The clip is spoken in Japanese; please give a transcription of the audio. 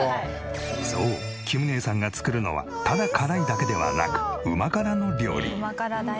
そう金姉さんが作るのはただ辛いだけではなく旨辛の料理。